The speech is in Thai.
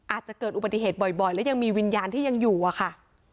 อาจจะเกิดอุบัติเหตุบ่อยและยังมีวิญญาณที่ยังอยู่อะค่ะ